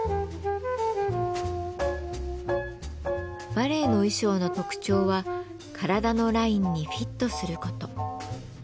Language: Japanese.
バレエの衣装の特徴は体のラインにフィットする事。